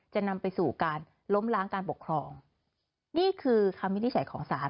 จะนำไปสู่การล้มล้างการปกครองนี่คือคำวินิจฉัยของศาล